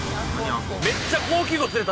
めっちゃ高級魚釣れた！